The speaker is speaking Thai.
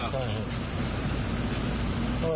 อ๋อสิ้งวัน